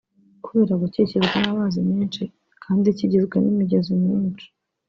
kubera gukikizwa n’amazi menshi kandi kigizwe n’imigezi myinshi